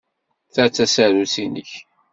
Ta d tasarut-nnek.